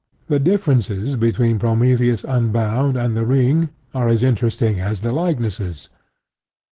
The differences between Prometheus Unbound and The Ring are as interesting as the likenesses.